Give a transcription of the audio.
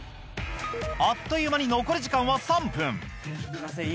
あっという間に残り時間は３分すいません